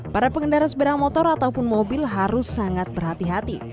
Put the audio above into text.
para pengendara sepeda motor ataupun mobil harus sangat berhati hati